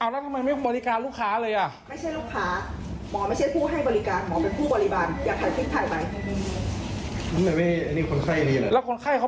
คุณผู้รักษาอันนี้แผ่นเหมือนใกล้บ้านอะไรมา